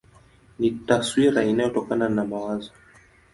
Ni taswira inayotokana na mawazo.